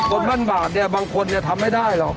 บนบั้นบาดบางคนทำไม่ได้หรอก